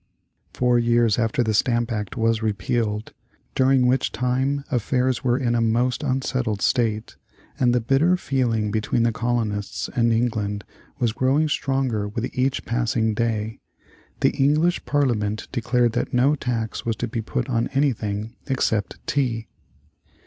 Four years after the Stamp Act was repealed, during which time affairs were in a most unsettled state and the bitter feeling between the colonists and England was growing stronger with each passing day, the English Parliament declared that no tax was to be put on anything except tea.